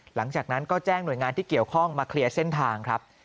หลังจากนั้นก็แจ้งหน่วยงานที่เกี่ยวข้องมาเคลียร์เส้นทางครับ